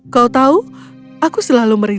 kau tahu aku selalu merindu